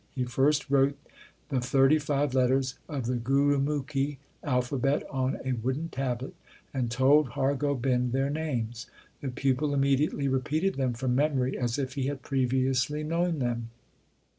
He first wrote the 1 Gauri. 2 Asa. 50 THE SIKH RELIGION thirty five letters of the Gurumukhi alphabet on a wooden tablet and told Har Gobind their names. The pupil immediately repeated them from memory as if he had previously known them.